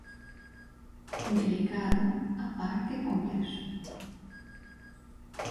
Delicado á par que complexo.